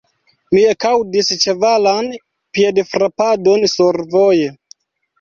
Mi ekaŭdis ĉevalan piedfrapadon survoje.